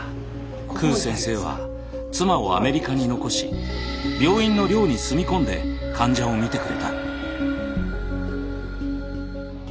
クー先生は妻をアメリカに残し病院の寮に住み込んで患者を診てくれた。